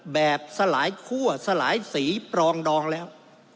สลายคั่วสลายสีปรองดองแล้ว